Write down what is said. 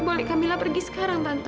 boleh kamila pergi sekarang tante